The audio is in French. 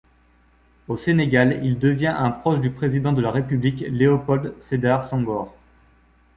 Au Sénégal, il devient un proche du président de la République Léopold Sédar Senghor.